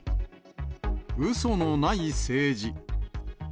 うそのない政治。